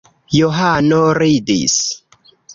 Johano ridis.